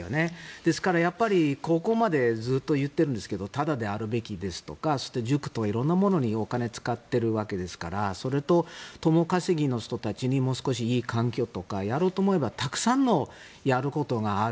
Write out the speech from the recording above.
ですから、ここまでずっと言ってるんですけどタダであるべきですとか塾とか色んなものにお金を使っているわけですからそれと、共稼ぎの人たちにもう少しいい環境とかやろうと思えばたくさんのやることがある。